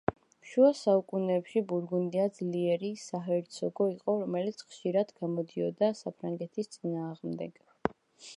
შუა საუკუნეებში ბურგუნდია ძლიერი საჰერცოგო იყო, რომელიც ხშირად გამოდიოდა საფრანგეთის წინააღმდეგ.